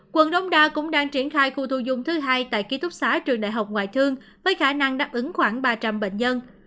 quận đống đa cũng đang triển khai khu thu dung thứ hai tại ký thúc xá trường đại học ngoại thương với khả năng đáp ứng khoảng ba trăm linh bệnh nhân